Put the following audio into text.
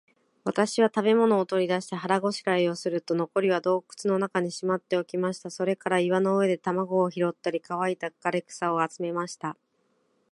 私は食物を取り出して、腹ごしらえをすると、残りは洞穴の中にしまっておきました。それから岩の上で卵を拾ったり、乾いた枯草を集めました。